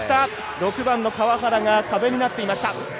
６番の川原が壁になっていました。